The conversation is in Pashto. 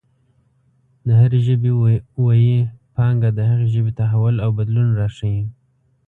د هرې ژبې ویي پانګه د هغې ژبې تحول او بدلون راښايي.